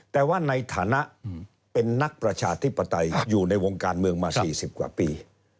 แต่ว่าในฐานะเป็นนักประชาธิปไตยอยู่ในวงการเมืองมา๔๐กว่าปี